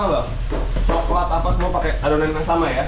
coklat apa semua pakai adonan yang sama ya